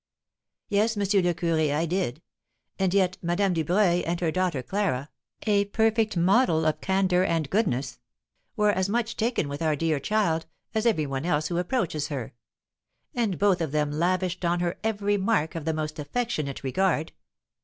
"Yes, M. le Curé, I did. And yet Madame Dubreuil and her daughter Clara (a perfect model of candour and goodness) were as much taken with our dear child as every one else who approaches her; and both of them lavished on her every mark of the most affectionate regard.